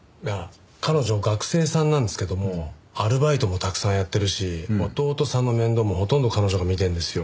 彼女学生さんなんですけどもアルバイトもたくさんやってるし弟さんの面倒もほとんど彼女が見てるんですよ。